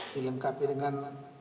di lengkapi dengan